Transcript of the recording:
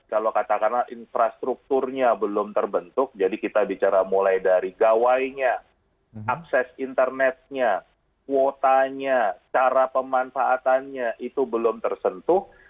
kalau katakanlah infrastrukturnya belum terbentuk jadi kita bicara mulai dari gawainya akses internetnya kuotanya cara pemanfaatannya itu belum tersentuh